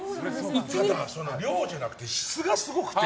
量じゃなくて質がすごくて。